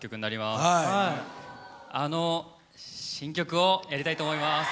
あの新曲をやりたいと思います。